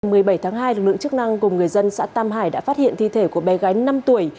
ngày một mươi bảy tháng hai lực lượng chức năng cùng người dân xã tam hải đã phát hiện thi thể của bé gái năm tuổi